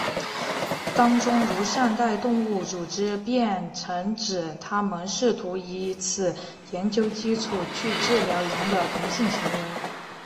当中如善待动物组织便曾指它们试图以此研究基础去治疗羊的同性行为。